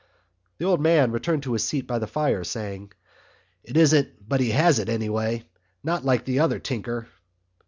The old man returned to his seat by the fire, saying: "It isn't but he has it, anyway. Not like the other tinker."